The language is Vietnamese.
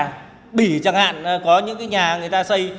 chỉ chẳng hạn có những nhà người ta xây